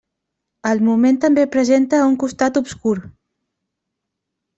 El moment també presenta un costat obscur.